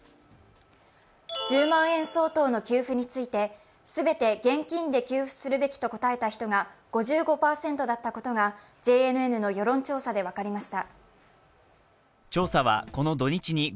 １０万円相当の給付について全て現金で給付するべきと答えた人が５５％だったことがＪＮＮの世論調査で分かりました。